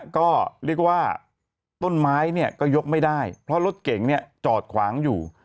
ก็เรียกว่าต้นไม้เนี่ยก็ยกไม่ได้เพราะรถเก่งจอดขวางอยู่